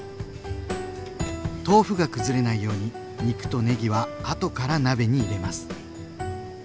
豆腐が崩れないように肉とねぎはあとから鍋に入れます。